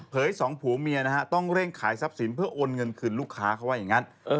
สองผัวเมียนะฮะต้องเร่งขายทรัพย์สินเพื่อโอนเงินคืนลูกค้าเขาว่าอย่างนั้น